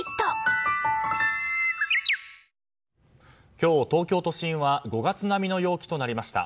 今日、東京都心は５月並みの陽気となりました。